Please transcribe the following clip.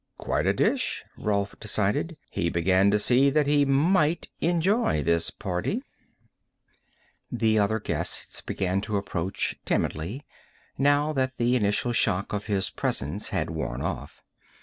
Quite a dish, Rolf decided. He began to see that he might enjoy this party. The other guests began to approach timidly, now that the initial shock of his presence had worn off.